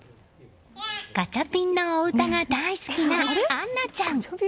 ガチャピンのお歌が大好きなアンナちゃん。